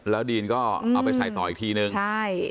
แล้วดีนก็เอาไปใส่ต่ออีกทีนึงใช่